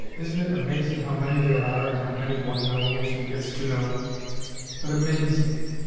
Isn't it amazing how many there are, and how many one knows, and gets to know! But amazing!